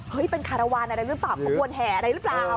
เป็นคารวาลอะไรหรือเปล่าขบวนแห่อะไรหรือเปล่า